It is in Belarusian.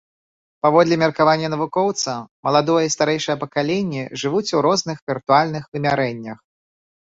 Паводле меркавання навукоўца, маладое і старэйшае пакаленні жывуць у розных віртуальных вымярэннях.